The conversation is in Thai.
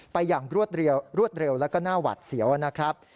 อย่างรวดเร็วแล้วก็น่าหวัดเสียวนะครับ